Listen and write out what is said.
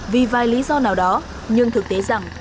vì vài lý do nào đó nhưng thực tế rằng